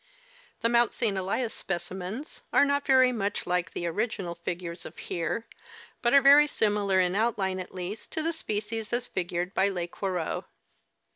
^ The Mount St. Elias specimens are not very much like the original figures of Hgei', but are very similar, in outline at least, to this species as figured by Lesquereux.